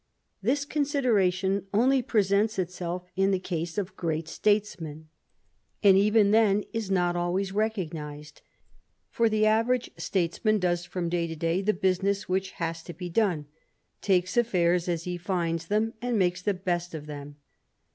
This consideratipn only pre sents itself in the case of great statesmen, and even then is not always recognised. For the average statesman does from day to day the business which has to be done, takes affairs as he finds them, and makes the best of them.